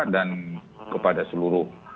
dan kepada seluruh